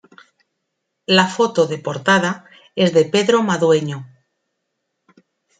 La foto de portada es de Pedro Madueño.